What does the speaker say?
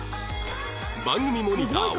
番組モニター